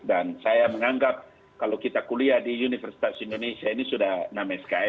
dan saya menganggap kalau kita kuliah di universitas indonesia ini sudah namai sks